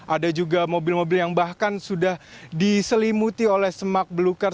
ada juga mobil mobil yang bahkan sudah diselimuti oleh semak belukar